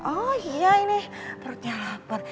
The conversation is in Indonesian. oh iya ini perutnya lapar